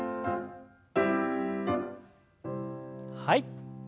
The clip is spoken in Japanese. はい。